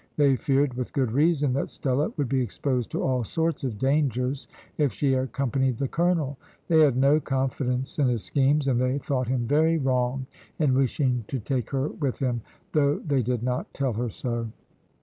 They feared, with good reason, that Stella would be exposed to all sorts of dangers if she accompanied the colonel; they had no confidence in his schemes, and they thought him very wrong in wishing to take her with him, though they did not tell her so.